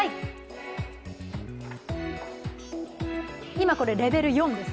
今、レベル４です。